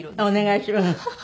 お願いします。